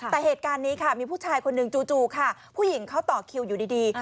แต่เหตุการณ์นี้ค่ะมีผู้ชายคนหนึ่งจู่ค่ะผู้หญิงเขาต่อคิวอยู่ดี